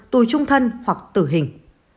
tù trung thân hoặc tử hình